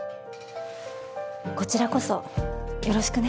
こちらこそよろしくね。